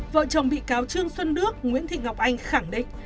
vợ chồng bị cáo trương xuân đức nguyễn thị ngọc anh khẳng định